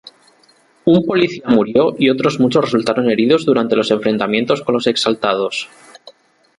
Un policía murió y otros muchos resultaron heridos durante los enfrentamientos con los exaltados.